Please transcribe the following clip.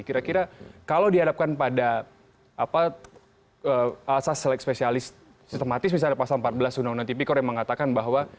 kira kira kalau dihadapkan pada asas selek spesialis sistematis misalnya pasal empat belas undang undang tipikor yang mengatakan bahwa